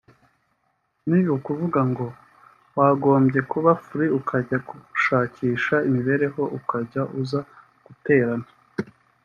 ni ukuvuga ngo wagombye kuba free ukajya gushakisha imibereho ukajya uza guterana